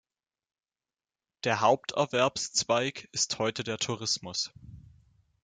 Der Haupterwerbszweig ist heute der Tourismus.